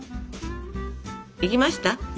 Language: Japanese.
いきました？